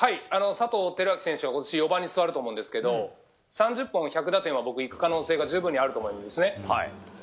佐藤輝明選手は今年４番に座ると思うんですけど３０本１００打点はいく可能性が十分にあると思うんですね。